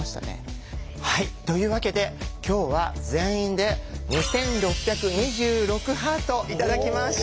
はいというわけで今日は全員で２，６２６ハート頂きました！